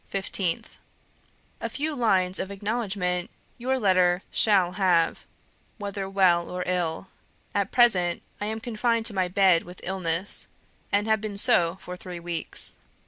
15th. "A few lines of acknowledgment your letter SHALL have, whether well or ill. At present I am confined to my bed with illness, and have been so for three weeks.